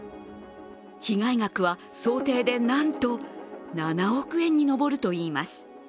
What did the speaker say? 被害額は想定でなんと７億円に上るといいます。